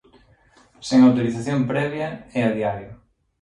Sen autorización previa e a diario.